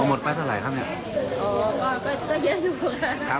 ก็เป็นคนไปหาเลี้ยงเขาแล้วตาก็เหมือนกันครับ